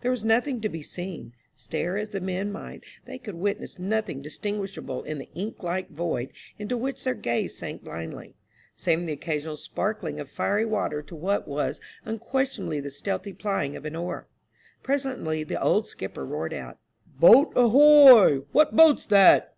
There was nothing to be seen ; stare as the men might, they could witness nothing distinguishable in the ink like void into which their gaze sank blindly, saving the occasional sparkling of fiery water to what was unquestionably the stealthy plying of an oar. Presently the old skipper roared out, "Boat, ahoy! what boat's that?"